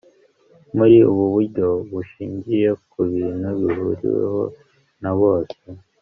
muri ubu buryo bushingiye ku bintu bihuriweho na bose